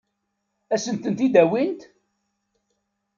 Ad sent-ten-id-awint?